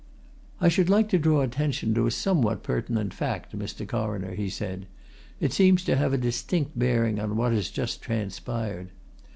"I should like to draw attention to a somewhat pertinent fact, Mr. Coroner," he said. "It seems to have a distinct bearing on what has just transpired.